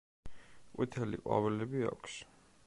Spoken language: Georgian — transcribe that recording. ყვითელი ყვავილები აქვს.